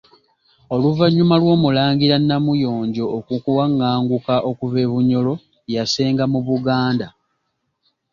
Oluvannyuma lw’Omulangira Namuyonjo okuwaŋŋanguka okuva e Bunyoro, yasenga mu Buganda.